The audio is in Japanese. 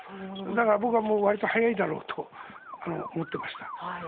だから、僕はわりと早いだろうと思っていました。